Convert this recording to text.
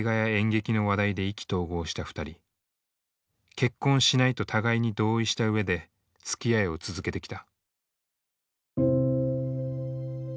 結婚しないと互いに同意したうえでつきあいを続けてきた。